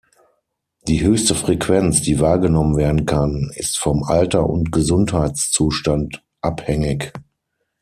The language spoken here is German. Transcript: Die höchste Frequenz, die wahrgenommen werden kann, ist vom Alter und Gesundheitszustand abhängig.